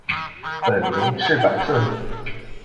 本名为赤坂顺子。